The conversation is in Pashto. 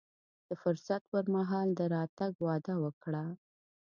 د فرصت پر مهال د راتګ وعده وکړه.